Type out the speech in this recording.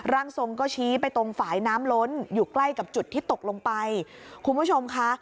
ร่างทรงก็ชี้ไปตรงฝ่ายน้ำล้นอยู่ใกล้กับจุดที่ตกลงไปคุณผู้ชมค่ะ